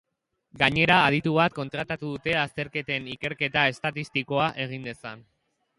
Gainera, aditu bat kontratatu dute azterketen ikerketa estatistikoa egin dezan.